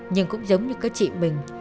nhưng cũng giống như có chị mình